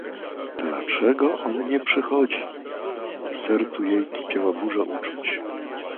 "dlaczego on nie przychodzi...“ W sercu jej kipiała burza uczuć."